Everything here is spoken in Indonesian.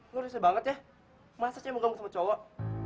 lo riset banget ya masa sih mau gabung sama cowok